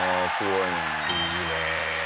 いいねえ。